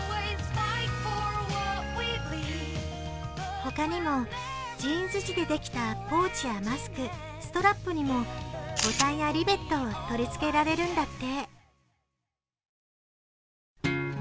他にもジーンズ地でできたポーチやマスクストラップにもボタンやリベットを取り付けられるんだって。